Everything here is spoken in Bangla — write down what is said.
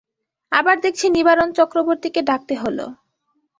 আবার দেখছি নিবারণ চক্রবর্তীকে ডাকতে হল।